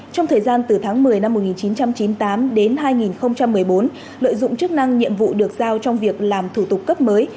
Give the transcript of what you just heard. trong thời gian từ tháng một mươi năm một nghìn chín trăm chín mươi tám đến hai nghìn một mươi bốn lợi dụng chức năng nhiệm vụ được giao trong việc làm thủ tục cấp mới